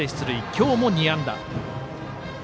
今日も２安打。